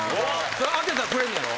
当てたらくれんねやろ？